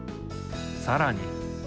さらに。